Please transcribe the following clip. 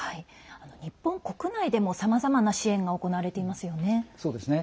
日本国内でもさまざまな支援が行われていますよね。